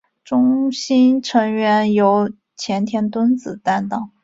中心成员由前田敦子担当。